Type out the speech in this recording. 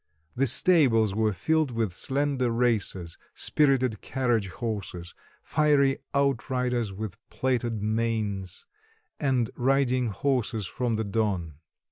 The stables were filled with slender racers, spirited carriage horses, fiery out riders with plaited manes, and riding horses from the Don.